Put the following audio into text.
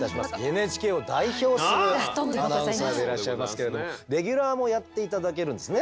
ＮＨＫを代表するアナウンサーでいらっしゃいますけれどもレギュラーもやって頂けるんですね？